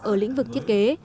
ở lĩnh vực thiết kế